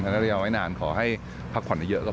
ถ้าที่มันเลี้ยวไว้นานขอให้พรักผ่อนเพียงเยอะก็พอ